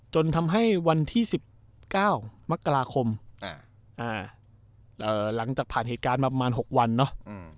จนทำให้วันที่๑๙มกราคมหลังจากผ่านเหตุการณ์มาประมาณ๖วันเนาะ